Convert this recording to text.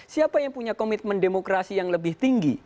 siapa yang punya komitmen demokrasi yang lebih tinggi